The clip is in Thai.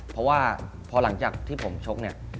เพราะว่าพอหลังจากที่ผมชกเนี่ย